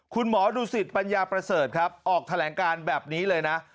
คุณหมอดูสิตปัญญาประเสริฐครับออกแถลงการแบบนี้เลยนะ